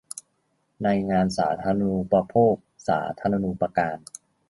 ในงานสาธารณูปโภคสาธารณูปการ